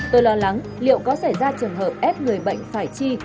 tôi lo lắng liệu có xảy ra trường hợp ép người bệnh phải chi